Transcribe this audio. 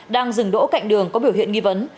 đang dừng đỗ cạnh đường có biểu hiện nghi vấn